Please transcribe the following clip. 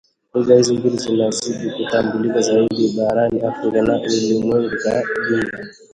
Lugha hizi mbili zitazidi kutambulika zaidi barani Afrika na ulimwenguni kwa jumla